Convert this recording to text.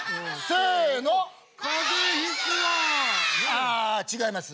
ああ違います。